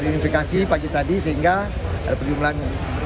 teridentifikasi pagi tadi sehingga ada perjumlahan